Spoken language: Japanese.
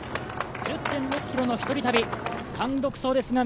１０．６ｋｍの１人旅、単独そうですが